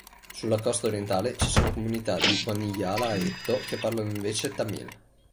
Sulla costa orientale ci sono comunità di Wanniyala-Aetto che parlano invece tamil.